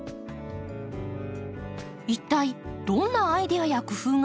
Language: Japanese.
一体どんなアイデアや工夫があるのか？